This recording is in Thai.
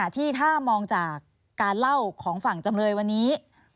ที่ถ้ามองจากการเล่าของฝั่งจำเลยวันนี้